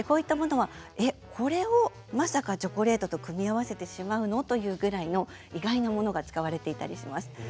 これをまさかチョコレートと組み合わせてしまうの？というぐらいの意外なものが使われていたりします。